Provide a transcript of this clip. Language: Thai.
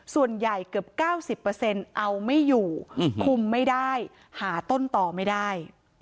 ส่วนใหญ่เกือบ๙๐เอาไม่อยู่คุมไม่ได้หาต้นต่อไม่ได้